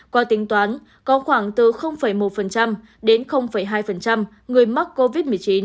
qua tính toán có khoảng từ một đến hai người mắc covid một mươi chín